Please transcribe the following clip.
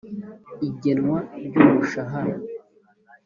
igenwa ry’umushahara